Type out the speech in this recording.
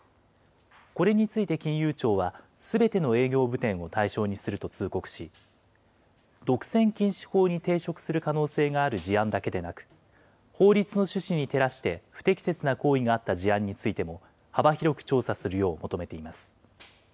これについて金融庁は、すべての営業部店を対象にすると通告し、独占禁止法に抵触する可能性がある事案だけでなく、法律の趣旨に照らして不適切な行為があった事案についても、幅広く調査するよう求めています。